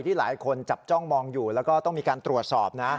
หลายคนจับจ้องมองอยู่แล้วก็ต้องมีการตรวจสอบนะ